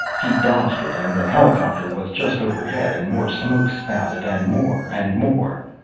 He dodged it, and the helicopter was just overhead and more smoke spouted, and more, and more....